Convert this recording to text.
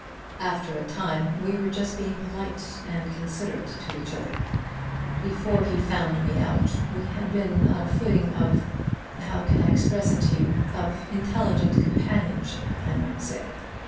After a time we were just being polite and considerate to each other. Before he found me out we had been on a footing of how can I express it to you? of intelligent companionship, I might say.